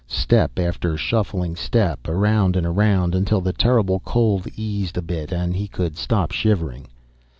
Step after shuffling step, around and around, until the terrible cold eased a bit and he could stop shivering.